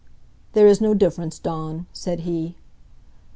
"There is no difference, Dawn," said he.